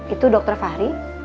itu dokter fahri